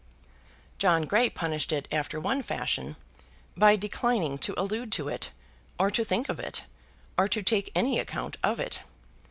John Grey punished it after one fashion; by declining to allude to it, or to think of it, or to take any account of it.